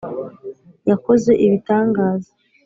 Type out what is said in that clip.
yakoze ibitangaza.